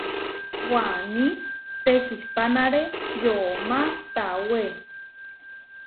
Waní tekihpánare yomá tawé.